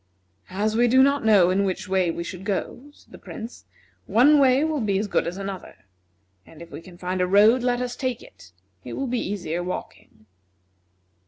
"As we do not know in which way we should go," said the Prince, "one way will be as good as another, and if we can find a road let us take it; it will be easier walking."